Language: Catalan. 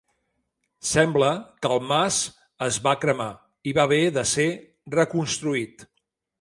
Sembla que el mas es va cremar i va haver de ser reconstruït.